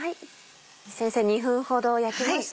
先生２分ほど焼きました。